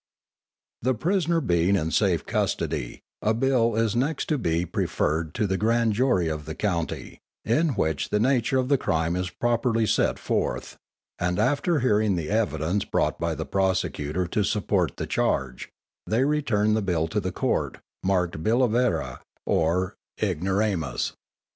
_ _The prisoner being in safe custody, a bill is next to be preferred to the grand jury of the county, in which the nature of the crime is properly set forth, and after hearing the evidence brought by the prosecutor to support the charge, they return the bill to the Court, marked_ Billa Vera or Ignoramus.